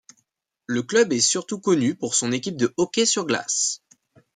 Le club est surtout connu pour son équipe de hockey sur glace.